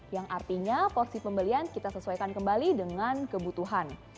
yang artinya porsi pembelian kita sesuaikan kembali dengan kebutuhan